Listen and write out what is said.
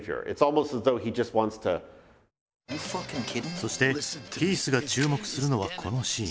そしてヒースが注目するのはこのシーン。